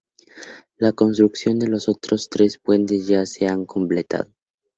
La construcción de los otros tres puentes ya se ha completado.